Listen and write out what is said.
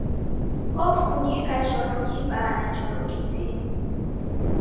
Ofungika choro kibaa na choro kitini.